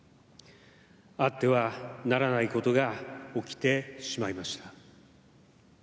あってはならないことが起きてしまいました。